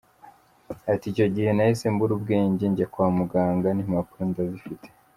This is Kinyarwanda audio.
Ati ‘Icyo gihe nahise mbura ubwenge njya kwa muganga n’ impapuro ndazifite.